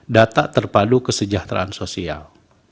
data terpadu kesejahteraan sosial